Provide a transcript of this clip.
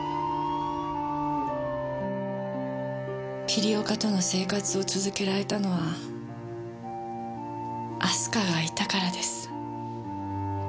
桐岡との生活を続けられたのは明日香がいたからです。